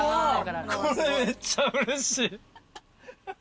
これめっちゃうれしい。